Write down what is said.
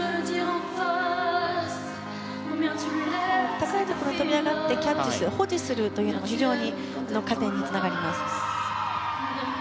高いところ、飛び上がってキャッチする保持するというのが非常に加点につながります。